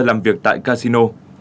làm việc tại casino